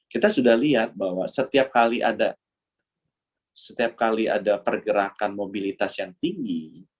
kita sudah lihat bahwa setiap kali ada pergerakan mobilitas yang tinggi